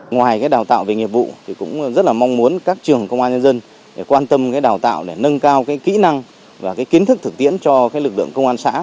ngoài đào tạo về nghiệp vụ thì cũng rất là mong muốn các trường công an nhân dân quan tâm đào tạo để nâng cao kỹ năng và kiến thức thực tiễn cho lực lượng công an xã